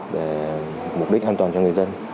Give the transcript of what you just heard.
để mục đích an toàn cho người dân